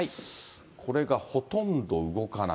これがほとんど動かない。